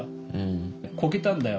こけたんだよ